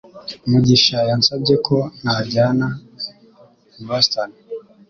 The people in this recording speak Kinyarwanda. mugisha yansabye ko najyana i Boston.